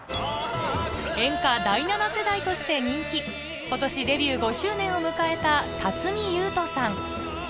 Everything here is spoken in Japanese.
演歌第７世代として人気今年デビュー５周年を迎えた辰巳ゆうとさん